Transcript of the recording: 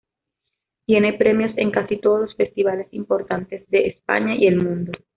Tiene premios en casi todos los festivales importantes de España y el mundo.